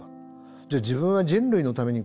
じゃあ自分は人類のために書いてる。